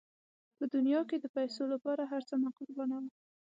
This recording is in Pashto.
په دنیا کې د پیسو لپاره هر څه مه قربانوه.